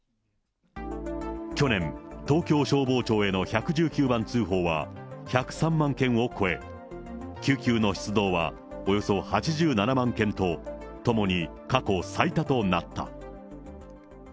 去年、東京消防庁への１１９番通報は１０３万件を超え、救急の出動はおよそ８７万件と、ともに過去最多となった。